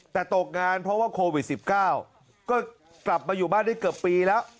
แต่ตกงานเพราะว่าโควิด๑๙ก็กลับมาอยู่บ้านได้เกือบปีแล้ว